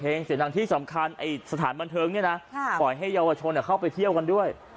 เพลงเสร็จทางที่สำคัญไอ้สถานบันเทิงเนี้ยน่ะครับปล่อยให้เยาวชนเนี้ยเข้าไปเที่ยวกันด้วย